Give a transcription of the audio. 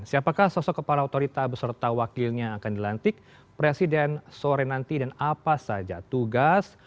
siapakah sosok kepala otorita beserta wakilnya akan dilantik presiden sore nanti dan apa saja tugas